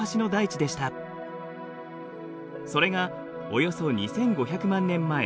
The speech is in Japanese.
それがおよそ２，５００万年前